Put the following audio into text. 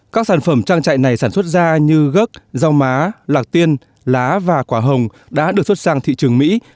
các sản phẩm trang trại này sản xuất ra như gốc rau má lạc tiên lá và quả hồng đã được xuất sang thị trường mỹ